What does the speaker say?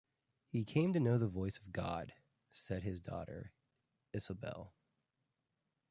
"He came to know the voice of God"; said his daughter, Isobel.